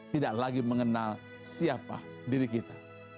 tidak lagi mengenal siapa diri kita